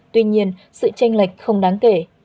tuy nhiên sự tranh lệch không đáng kể